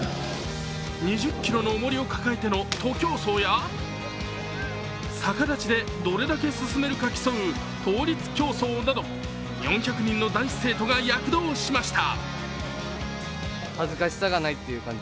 ２０ｋｇの重りを抱えての徒競走や逆立ちでどれだけ進めるか競う倒立競争など４００人の男子生徒が躍動しました。